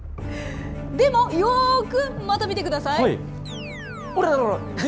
でも、よーくまた見てください。